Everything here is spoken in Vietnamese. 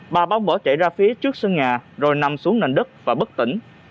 bà bao bỏ chạy ra phía trước sân nhà rồi nằm xuống nền đất và bất tỉnh